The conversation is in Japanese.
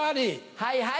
はいはい。